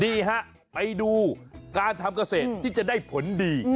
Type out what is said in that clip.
ดีฮะไปดูการทำกระเศษที่จะได้ผลดี